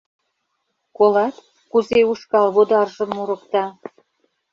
Колат, кузе ушкал водаржым мурыкта...